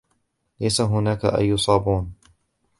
ليس هناك أي صابون.